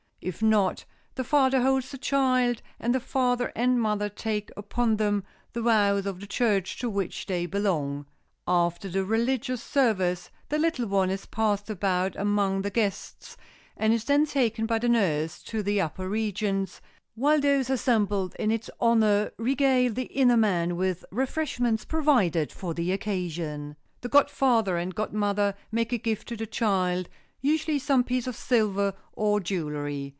If not, the father holds the child, and the father and mother take upon them the vows of the church to which they belong. After the religious service the little one is passed about among the guests, and is then taken by the nurse to the upper regions, while those assembled in its honor regale the inner man with refreshments provided for the occasion. The godfather and godmother make a gift to the child—usually some piece of silver or jewelry.